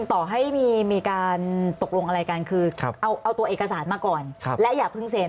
ต่อให้มีการตกลงอะไรกันคือเอาตัวเอกสารมาก่อนและอย่าเพิ่งเซ็น